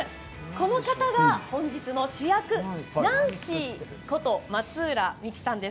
この方が本日の主役ｎａｎｃｙこと松浦美喜さんです。